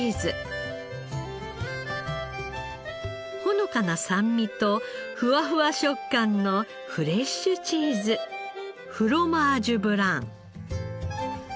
ほのかな酸味とふわふわ食感のフレッシュチーズフロマージュブラン。